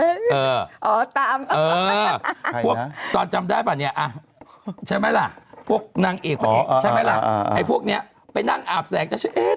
นะตามปุ๊บจำได้ป่ะเนี่ยใช่ไหมล่ะพวกนางเอกไม่ให้พวกนี้ไปนั่งอาบแซง